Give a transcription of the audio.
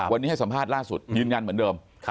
วันนี้ให้สัมภาษณ์ล่าสุดยืนยันเหมือนเดิม